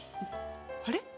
あれ？